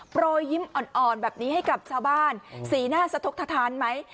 รอยยิ้มอ่อนแบบนี้ให้กับชาวบ้านสีหน้าสะทกททานไหม